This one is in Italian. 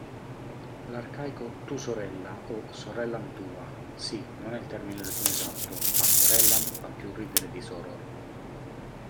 L'arcaico "tu sorella", o sorellam tua (sì, non è il termine latino esatto, ma "sorellam" fa più ridere di soror).